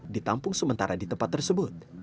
ditampung sementara di tempat tersebut